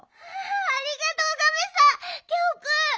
ありがとうガメさんギャオくん。